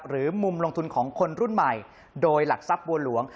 หรือมุมลงทุนของคนรุ่นใหม่โดยหลักทรัพย์บัวหลวง